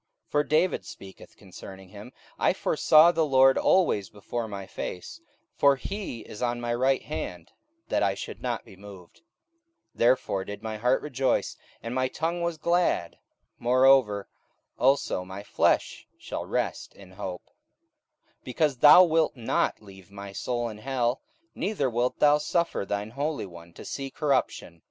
44:002:025 For David speaketh concerning him, I foresaw the Lord always before my face, for he is on my right hand, that I should not be moved: 44:002:026 Therefore did my heart rejoice, and my tongue was glad; moreover also my flesh shall rest in hope: 44:002:027 Because thou wilt not leave my soul in hell, neither wilt thou suffer thine Holy One to see corruption.